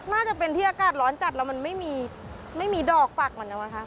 น่าจะเป็นที่อากาศร้อนจัดแล้วมันไม่มีดอกฝักเหมือนกันว่าค่ะ